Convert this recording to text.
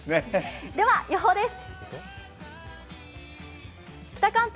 では予報です。